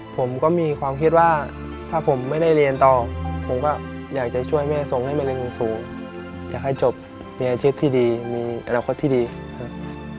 ผมก็มีความคิดว่าถ้าผมไม่ได้เรียนต่อผมก็อยากจะช่วยแม่ส่งให้มะเร็งสูงอยากให้จบมีอาชีพที่ดีมีอนาคตที่ดีครับ